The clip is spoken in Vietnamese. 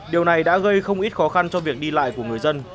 điều này đã gây không ít khó khăn cho việc đi lại của người dân